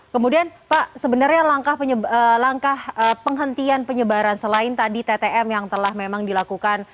kemudian pak sebenarnya langkah penghentian penyebaran selain tadi ttm yang telah memang dilakukan